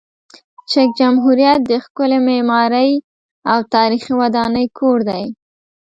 چک جمهوریت د ښکلې معماري او تاریخي ودانۍ کور دی.